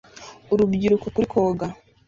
Urubyiruko kuri koga